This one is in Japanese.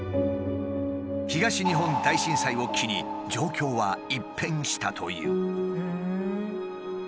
東日本大震災を機に状況は一変したという。